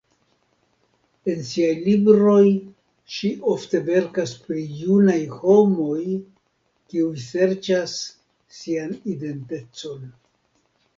En siaj libroj ŝi ofte verkas pri junaj homoj, kiuj serĉas sian identecon.